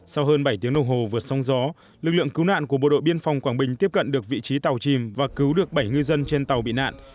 sau hơn bảy tiếng đồng hồ vượt sóng gió lực lượng cứu nạn của bộ đội biên phòng quảng bình tiếp cận được vị trí tàu chìm và cứu được bảy ngư dân trên tàu bị nạn